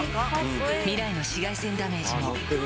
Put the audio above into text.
「未来の紫外線ダメージも」